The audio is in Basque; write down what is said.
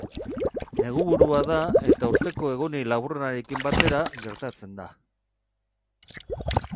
Neguburua da eta urteko egunik laburrenarekin batera gertatzen da.